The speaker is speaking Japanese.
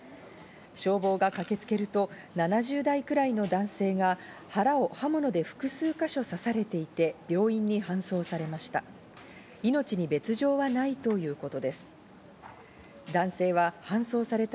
消防が駆けつけると７０代くらいの男性が腹を刃物で複数か所刺されていて病院に搬送されました。